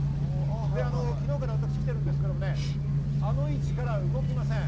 昨日から来ていますけれど、あの位置から動きません。